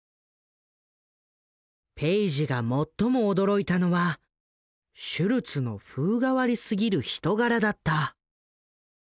ペイジが最も驚いたのはシュルツの風変わりすぎる人柄だった。